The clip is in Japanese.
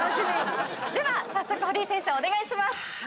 では早速堀井先生お願いします。